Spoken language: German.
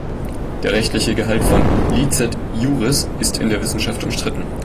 Der rechtliche Gehalt von "licet iuris" ist in der Wissenschaft umstritten.